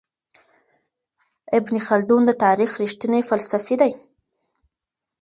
ابن خلدون د تاريخ رښتينی فلسفي دی.